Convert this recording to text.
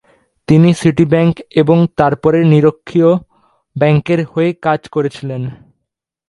তিনি City Bank এবং তারপরে নিরক্ষীয় ব্যাংকের হয়ে কাজ করেছিলেন।